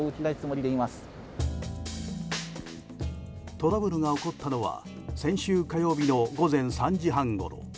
トラブルが起こったのは先週火曜日の午前３時半ごろ。